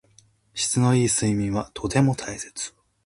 質の良い睡眠はとても大切。